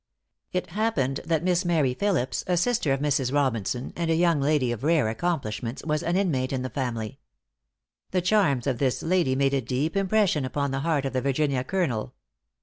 It happened that Miss Mary Philipse, a sister of Mrs. Robinson, and a young lady of rare accomplishments, was an inmate in the family. The charms of this lady made a deep impression upon the heart of the Virginia Colonel.